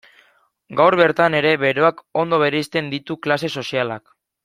Gaur bertan ere beroak ondo bereizten ditu klase sozialak.